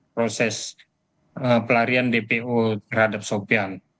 proses pelarian dpo terhadap sopian